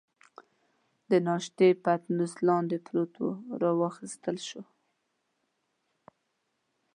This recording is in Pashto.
د ناشتې پتنوس لاندې پروت وو، را واخیستل شو.